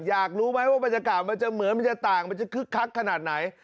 อยากรู้ไหมว่าบรรยากาศมันจะเหมือนมันจะต่างมันจะคึกคักขนาดไหน